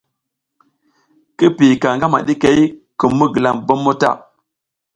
Kira piyika ngama ɗikey kum mi gilam bommo ta.